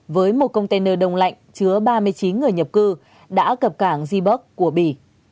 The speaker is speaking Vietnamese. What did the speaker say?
với một container đông lạnh chứa ba mươi chín người nhập cư đã cập cảng ziburg của bỉ